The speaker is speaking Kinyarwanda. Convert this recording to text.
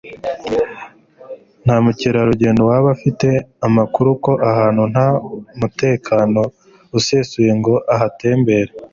Nta mukerarugendo waba afite amakuru ko ahantu nta umutekano usesuye ngo ahatemberere